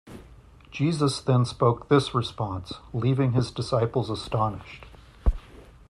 Jesus then spoke this response, leaving his disciples astonished.